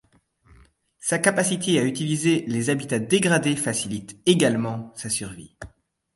Sa capacité à utiliser les habitats dégradés facilite également sa survie.